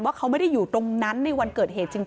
เขาไม่ได้อยู่ตรงนั้นในวันเกิดเหตุจริง